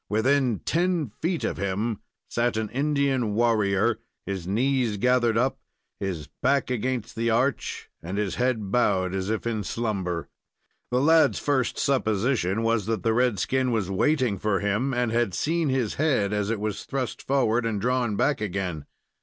Within ten feet of him sat an Indian warrior, his knees gathered up, his back against the arch, and his head bowed as if in slumber. The lad's first supposition was that the redskin was waiting for him, and had seen his head as it was thrust forward and drawn back again.